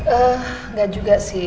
eee gak juga sih